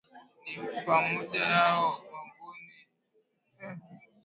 ni pamoja Wayao Wangoni Wamatengo Wandendeule Wabena na Wandengereko